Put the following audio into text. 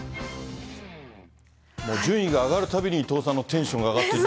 もう順位が上がるたびに、伊藤さんのテンションが上がっていって。